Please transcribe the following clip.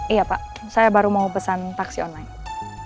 iya pak saya baru mau pesan taksi online